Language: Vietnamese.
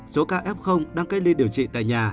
số ca f đang cách ly điều trị tại nhà